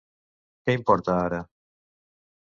Què importa ara?